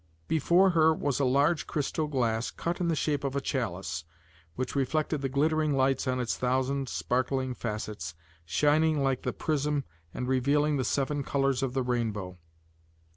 Before her was a large crystal glass, cut in the shape of a chalice, which reflected the glittering lights on its thousand sparkling facets, shining like the prism and revealing the seven colors of the rainbow.